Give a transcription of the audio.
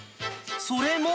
それも。